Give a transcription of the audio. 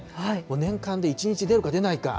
年間で１日出るか出ないか。